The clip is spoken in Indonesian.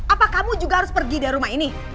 apa kamu juga harus pergi dari rumah ini